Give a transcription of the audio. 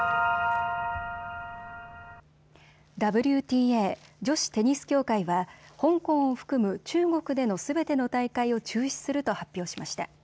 ＷＴＡ・女子テニス協会は香港を含む中国でのすべての大会を中止すると発表しました。